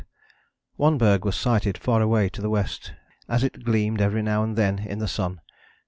one berg was sighted far away to the west, as it gleamed every now and then in the sun.